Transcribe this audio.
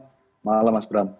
selamat malam mas bram